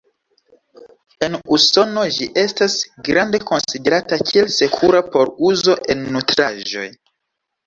En Usono ĝi estas grande konsiderata kiel sekura por uzo en nutraĵoj.